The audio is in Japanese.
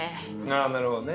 ああなるほどね。